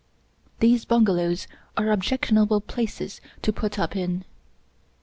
These bungalows are objectionable places to put up in.